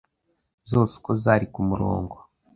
zose uko zari ku murongo